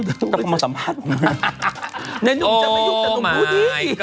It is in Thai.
แต่ทำไมนุ่มรู้สัมภาษณ์กันเลยโอ้มายเก้า